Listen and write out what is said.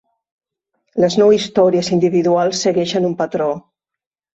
Les nou històries individuals segueixen un patró.